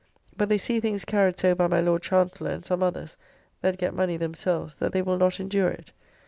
But they see things carried so by my Lord Chancellor and some others, that get money themselves, that they will not endure it.